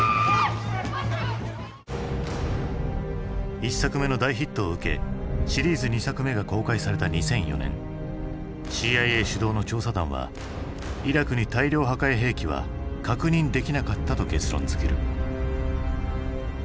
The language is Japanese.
１作目の大ヒットを受けシリーズ２作目が公開された２００４年ＣＩＡ主導の調査団はイラクに大量破壊兵器は確認できなかったと結論づける。